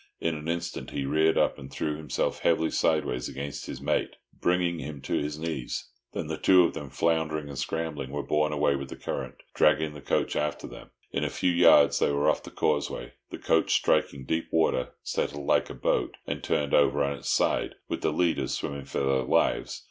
In an instant he reared up, and threw himself heavily sideways against his mate, bringing him to his knees; then the two of them, floundering and scrambling, were borne away with the current, dragging the coach after them. In a few yards they were off the causeway; the coach, striking deep water, settled like a boat, and turned over on its side, with the leaders swimming for their lives.